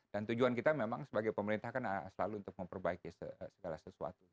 dan tujuan kita memang sebagai pemerintah kan selalu untuk memperbaiki segala sesuatu